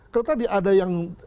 karena tadi ada yang studi